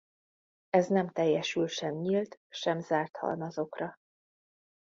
Ez nem teljesül sem nyílt sem zárt halmazokra.